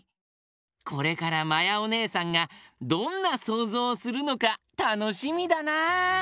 これからまやおねえさんがどんなそうぞうをするのかたのしみだな。